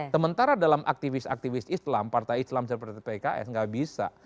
sementara dalam aktivis aktivis islam partai islam seperti pks nggak bisa